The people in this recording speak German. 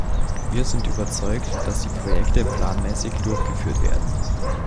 Wir sind überzeugt, dass die Projekte planmäßig durchgeführt werden.